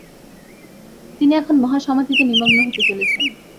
তিনি এখন মহাসমাধিতে নিমগ্ন হতে চলেছেন।